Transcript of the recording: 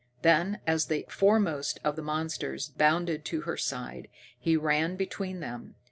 Then, as the foremost of the monsters bounded to her side, he ran between them.